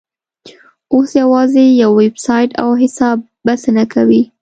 اوس یوازې یو ویبسایټ او حساب بسنه کوي.